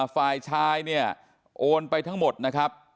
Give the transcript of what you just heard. ฝ่ายชายเนี่ยโอนไปทั้งหมดนะครับ